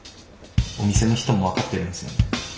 お店の人も分かってるんですよね